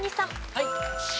はい。